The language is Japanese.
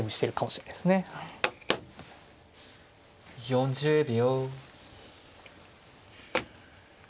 ４０秒。